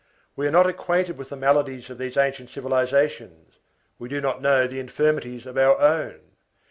We are not acquainted with the maladies of these ancient civilizations, we do not know the infirmities of our own.